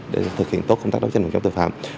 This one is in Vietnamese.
để thực hiện tốt công tác đấu tranh phòng chống tội phạm